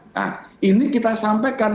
nah ini kita sampaikan